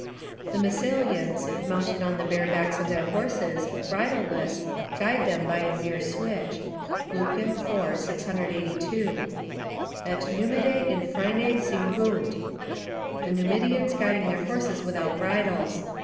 ["The Massylians, mounted on the bare backs of their horses, bridleless, guide them by a mere switch." Lucan, iv. 682.] "Et Numidae infraeni cingunt." ["The Numidians guiding their horses without bridles."